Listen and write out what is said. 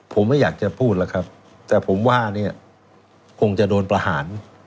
ผมไม่อยากจะพูดแล้วครับแต่ผมว่าเนี่ยคงจะโดนประหาร